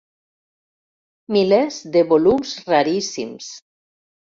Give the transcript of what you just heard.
Milers de volums raríssims.